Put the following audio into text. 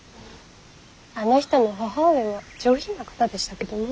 あの人の母上は上品な方でしたけどね。